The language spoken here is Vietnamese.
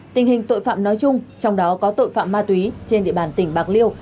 tình hình tội phạm nói chung trong đó có tội phạm ma túy trên địa bàn tỉnh bạc liêu